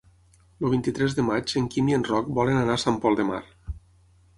El vint-i-tres de maig en Quim i en Roc volen anar a Sant Pol de Mar.